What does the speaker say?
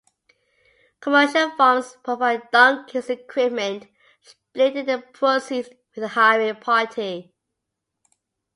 Commercial farms provide donkeys and equipment, splitting the proceeds with the hiring party.